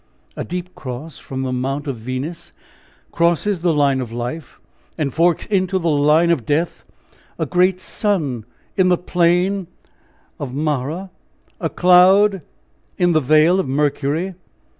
A deep cross from the Mount of Venus crosses the line of life, and forks into the line of death! a great sun in the plain of Mars a cloud in the vale of Mercury!